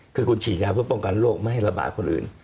คือคุณฉีดยาเพื่อป้องกันโรคไม่ให้ระบาดคนอื่น